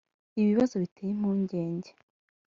ibibazo biteye impungenge